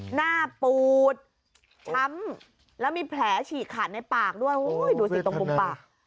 หน้าปูดช้ำแล้วมีแผลฉีกขาดในปากด้วยดูสิตรงมุมปาก